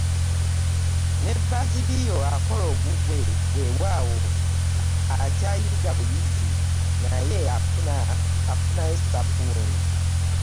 Ne Bazilio akola ogugwe, weewaawo akyayiga buyizi, naye afunayo sabbuni.